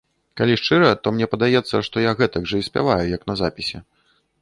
Калі шчыра, то мне падаецца, што я гэтак жа і спяваю, як на запісе.